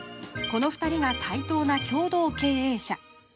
この２人が対等な共同経営者。